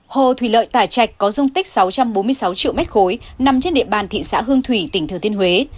hồ thủy lợi tả trạch có dung tích sáu trăm bốn mươi sáu triệu m ba nằm trên địa bàn thị xã hương thủy tỉnh thừa thiên huế